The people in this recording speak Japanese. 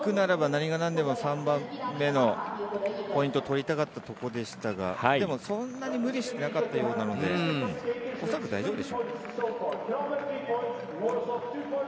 何が何でも３番目のポイントを取りたかったところでしたが、でもそんなに無理しなかったようなのでおそらく大丈夫でしょう。